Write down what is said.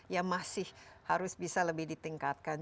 yang masih harus bisa lebih ditingkatkan